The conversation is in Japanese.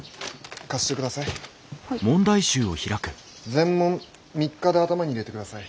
全問３日で頭に入れてください。